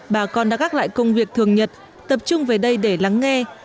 bà con đã gác lại công việc thường nhật tập trung về đây để lắng nghe